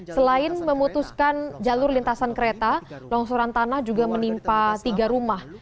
selain memutuskan jalur lintasan kereta longsoran tanah juga menimpa tiga rumah